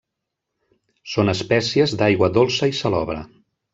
Són espècies d'aigua dolça i salobre.